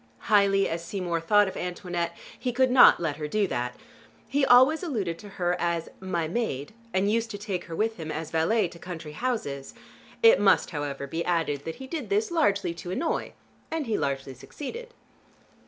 Highly as Seymour thought of Antoinette he could not let her do that. He always alluded to her as "my maid," and used to take her with him, as valet, to country houses. It must, however, be added that he did this largely to annoy, and he largely succeeded.